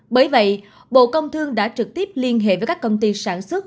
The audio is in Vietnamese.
bởi vậy bộ công thương đã trực tiếp liên hệ với các công ty sản xuất